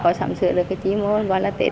có sắm sữa được cái gì mua cũng gọi là tết